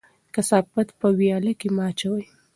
کثافات په ویاله کې مه اچوئ.